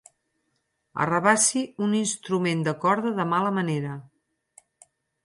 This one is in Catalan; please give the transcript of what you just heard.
Arrabassi un instrument de corda de mala manera.